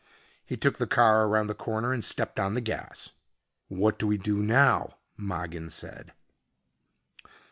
He took the car around the corner and stepped on the gas. "What do we do now?" Mogin said.